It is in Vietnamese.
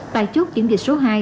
tại chốt kiểm dịch số hai